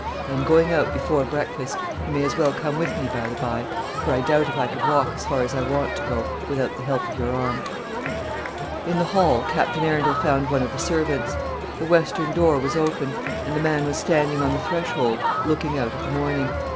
"I am going out before breakfast. You may as well come with me, by the by; for I doubt if I could walk as far as I want to go, without the help of your arm." In the hall Captain Arundel found one of the servants. The western door was open, and the man was standing on the threshold looking out at the morning.